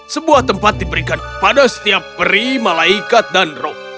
sebuah tempat diberikan kepada setiap pri malaikat dan roh